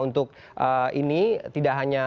untuk ini tidak hanya